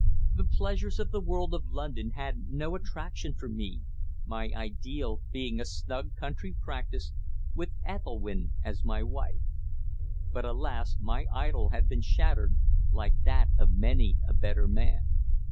The pleasures of the world of London had no attraction for me, my ideal being a snug country practice with Ethelwynn as my wife. But alas! my idol had been shattered, like that of many a better man.